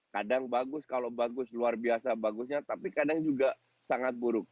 kadang bagus kalau bagus luar biasa bagusnya tapi kadang juga sangat buruk